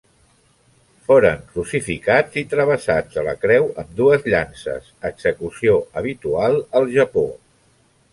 Foren crucificats i travessats, a la creu, amb dues llances, execució habitual al Japó.